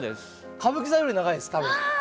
歌舞伎座より長いです多分花道。